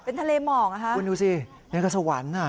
เป็นทะเลหมอกนะคะคุณดูสินี่ก็สวรรค์อ่ะ